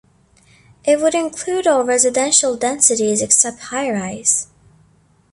It would include all residential densities except high-rise.